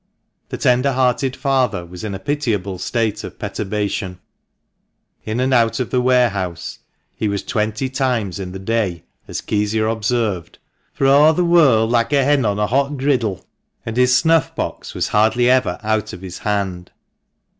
The tender hearted father was in a pitiable state of perturbation. In and A DYING GIFT. THE MANCHESTER MAN. 377 out the warehouse he was twenty times in the day — as Kezia observed, "For a' th' world like a hen on a hot griddle;" and his snuff box was hardly ever out of his hand.